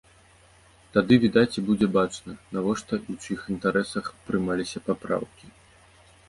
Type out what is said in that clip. Тады, відаць, і будзе бачна, навошта і ў чыіх інтарэсах прымаліся папраўкі.